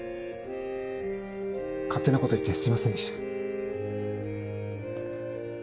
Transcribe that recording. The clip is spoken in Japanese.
勝手なこと言ってすいませんでした。